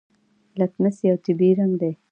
لتمس یو طبیعي رنګ دی.